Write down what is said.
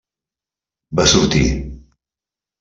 Va sortir.